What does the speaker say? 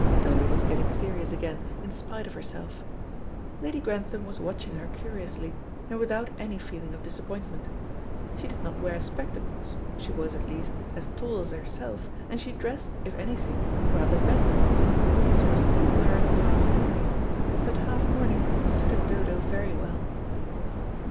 Dodo was getting serious again in spite of herself. Lady Grantham was watching her curiously, and without any feeling of disappointment. She did not wear spectacles, she was, at least, as tall as herself, and she dressed, if anything, rather better. She was still wearing half mourning, but half mourning suited Dodo very well.